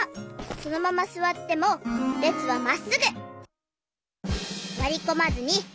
そのまますわってもれつはまっすぐ！